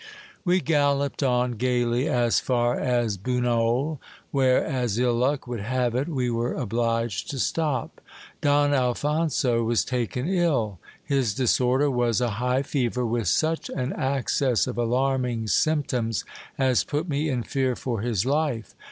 We galloped on gaily as far as Bunol, where, as ill luck would have it, we were obliged to stop. Don Alphonso was taken ilL His disorder was a high fever, with such an access of alarming symptoms, as put me in fear for his life.